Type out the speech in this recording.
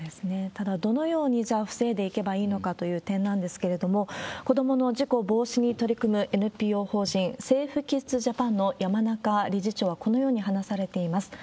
ただ、どのように、じゃあ防いでいけばいいのかという点なんですけれども、子どもの事故防止に取り組むＮＰＯ法人セーフ・キッズ・ジャパンの山中理事長はこのように話されています。